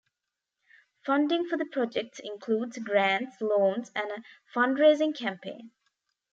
Funding for the projects includes grants, loans, and a fundraising campaign.